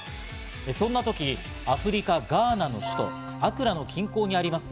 そんなときアフリカ・ガーナの首都アクラの近郊にあります